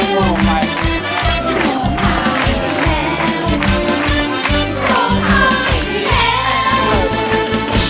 ขอบคุณค่ะ